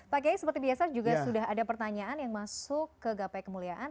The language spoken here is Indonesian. pak kiai seperti biasa juga sudah ada pertanyaan yang masuk ke gapai kemuliaan